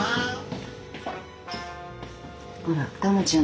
ほらタマちゃん